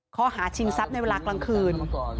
ข้อหาชิงทรัพย์ในเวลากลางคืน